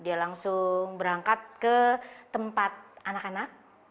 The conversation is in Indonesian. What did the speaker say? dia langsung berangkat ke tempat anak anak